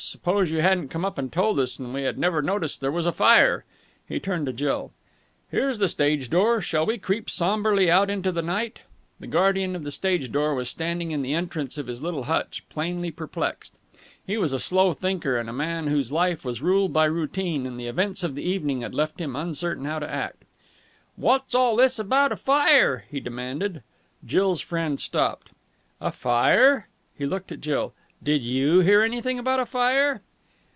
Suppose you hadn't come up and told us, and we had never noticed there was a fire!" He turned to Jill. "Here's the stage door. Shall we creep sombrely out into the night?" The guardian of the stage door was standing in the entrance of his little hutch, plainly perplexed. He was a slow thinker and a man whose life was ruled by routine, and the events of the evening had left him uncertain how to act. "Wot's all this about a fire?" he demanded. Jill's friend stopped. "A fire?" He looked at Jill. "Did you hear anything about a fire?"